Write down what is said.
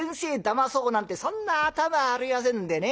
まそうなんてそんな頭はありませんでね。